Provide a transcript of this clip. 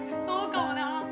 そうかもな